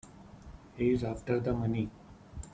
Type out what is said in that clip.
He's after the money.